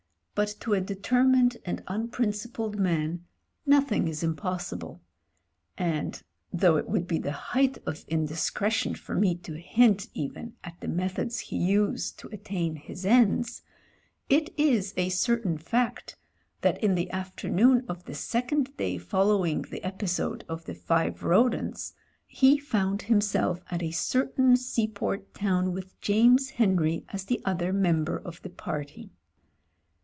But to a determined and unprincipled man nothing is impossible; and though it would be the height of indiscretion for me to hint even at the methods he used to attain his ends, it is a certain fact that in the afternoon of the second day following the episode of the five rodents he fotmd himself at a certain seaport town with James Henry as the other member of the party.